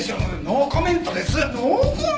ノーコメントって。